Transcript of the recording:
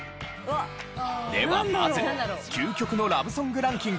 ではまず究極のラブソングランキング